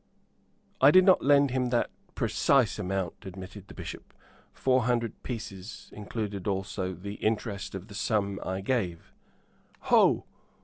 "I did not lend him that precise amount," admitted the Bishop. "Four hundred pieces included also the interest of the sum I gave." "Ho!